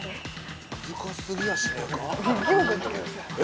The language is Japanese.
難し過ぎやしねえか？